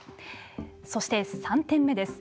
そして、３点目です。